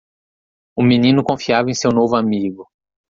O menino confiava em seu novo amigo.